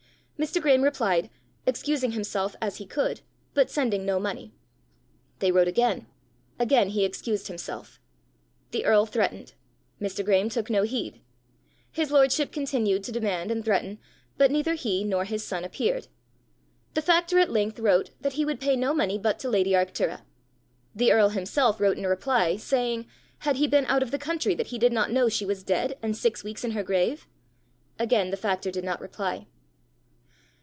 Mr. Graeme replied, excusing himself as he could, but sending no money. They wrote again. Again he excused himself. The earl threatened. Mr. Graeme took no heed. His lordship continued to demand and threaten, but neither he nor his son appeared. The factor at length wrote that he would pay no money but to lady Arctura. The earl himself wrote in reply, saying had he been out of the country that he did not know she was dead and six weeks in her grave? Again the factor did not reply.